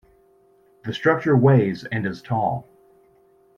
The structure weighs and is tall.